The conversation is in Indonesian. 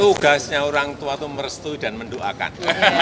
tugasnya orang tua itu merestui dan mendoakan